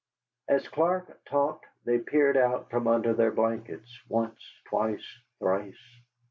As Clark talked they peered out from under their blankets, once, twice, thrice.